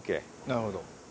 なるほど。